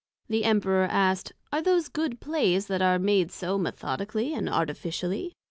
The Emperor asked, Are those good Plays that are made so Methodically and Artificially?